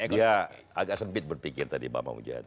dia agak sempit berpikir tadi bapak mujad